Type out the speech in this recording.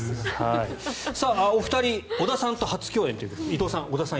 お二人、織田さんと初共演ということで伊藤さん織田さん